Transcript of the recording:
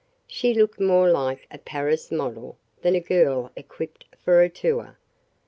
She looked more like a Paris model than a girl equipped for a tour.